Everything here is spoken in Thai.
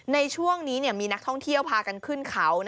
ในช่วงนี้มีนักท่องเที่ยวพากันขึ้นเขา